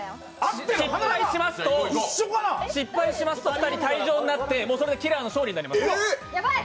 失敗しますと２人退場になってもうそれでキラーの勝利になります。